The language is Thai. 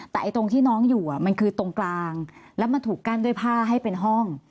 แต่ตรงที่น้องอยู่มันคือตรงกลางแล้วมันถูกกั้นด้วยผ้าให้เป็นห้อง